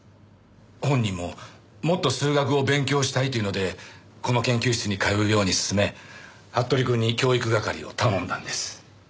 本人ももっと数学を勉強したいと言うのでこの研究室に通うように勧め服部くんに教育係を頼んだんです。